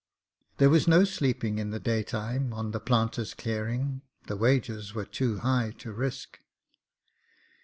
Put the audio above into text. There was no sleeping in the daytime on the planter's clearing; the wages were too high to risk.